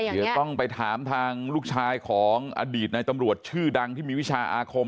เดี๋ยวต้องไปถามทางลูกชายของอดีตในตำรวจชื่อดังที่มีวิชาอาคม